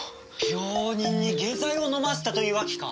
病人に下剤を飲ませたというわけか！？